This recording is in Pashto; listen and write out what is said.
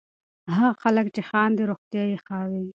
هغه خلک چې خاندي، روغتیا یې ښه وي.